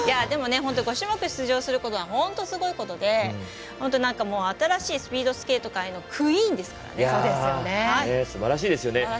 でもね本当、５種目出場することは本当すごいことで新しいスピードスケート界のクイーンですから。そうですよね。